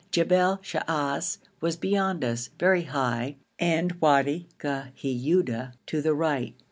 Jebel Shaas was beyond us, very high, and Wadi Ghiuda to the right.